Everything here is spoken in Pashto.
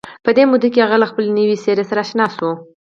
په دې موده کې هغه له خپلې نوې څېرې سره اشنا شو